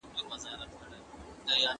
هره تجربه انسان ته نوی درس ورکوي.